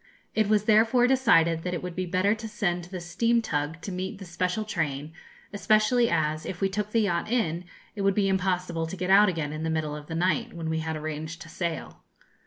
It was therefore decided that it would be better to send the steam tug to meet the special train, especially as, if we took the yacht in, it would be impossible to get out again in the middle of the night, when we had arranged to sail.